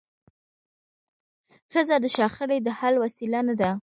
ښځه د شخړي د حل وسیله نه ده.